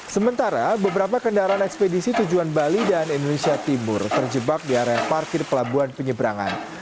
sementara beberapa kendaraan ekspedisi tujuan bali dan indonesia timur terjebak di area parkir pelabuhan penyeberangan